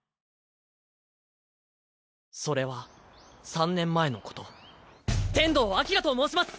それは３年前のこと天道輝と申します！